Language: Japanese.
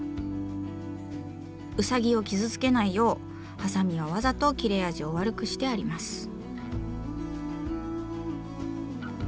ウサギを傷つけないようハサミはわざと切れ味を悪くしてあります。